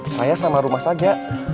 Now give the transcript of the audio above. saya sama rumah saja